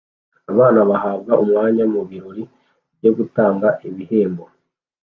Abana bahabwa umwanya mu birori byo gutanga ibihembo